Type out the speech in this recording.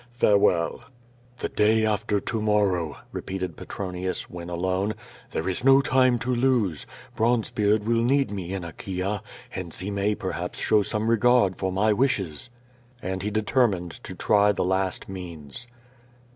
Farewell." "The day after to morrow," repeated Petronius, when alone. "There is no time to lose. Bronzebeard will need me in Achaea, hence he may perhaps show some regard for my wishes." And he determined to try the last means.